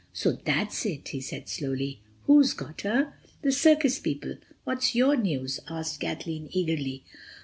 "So that's it," he said slowly—"who's got her?" "The circus people. What's your news?" asked Kathleen eagerly.